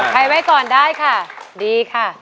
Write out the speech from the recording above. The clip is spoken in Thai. ถอดไปไว้ก่อนได้ครับดีครับ